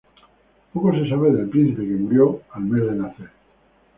Poco se sabe del Príncipe, que murió al mes de nacer.